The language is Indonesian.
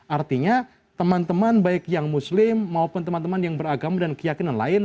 artinya teman teman baik yang muslim maupun teman teman yang beragama dan keyakinan lain